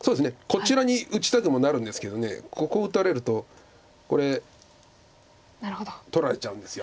こちらに打ちたくもなるんですけどここ打たれるとこれ取られちゃうんです。